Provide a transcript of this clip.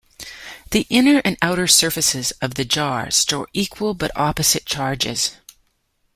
The inner and outer surfaces of the jar store equal but opposite charges.